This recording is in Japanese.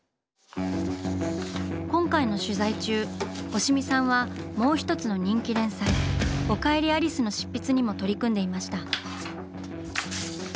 今回の取材中押見さんはもう一つの人気連載「おかえりアリス」の執筆にも取り組んでいました。